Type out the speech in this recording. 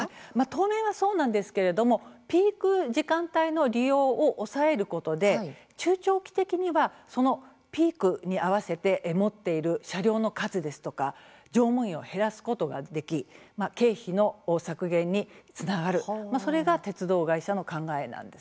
当面はそうなんですけれどもピーク時間帯の利用を抑えることで中長期的にはピークに合わせて持っている車両の数ですとか乗務員を減らすことができ経費の削減につながるそれが鉄道会社の考えなんです。